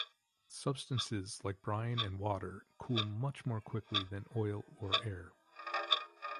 Substances like brine and water cool much more quickly than oil or air.